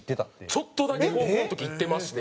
ちょっとだけ高校の時行ってまして。